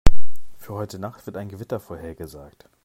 Für heute Nacht wird ein Gewitter vorhergesagt.